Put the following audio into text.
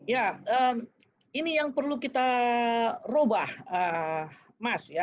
ya ini yang perlu kita robah mas